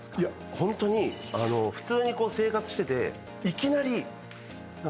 ホントに普通に生活してていきなり。えっ？